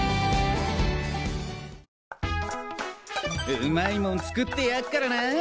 うまいモン作ってやるからな。